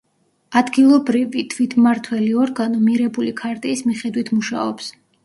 ადგილობრივი თვითმმართველი ორგანო მირებული ქარტიის მიხედვით მუშაობს.